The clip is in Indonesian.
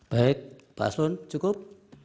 baik pak aslun cukup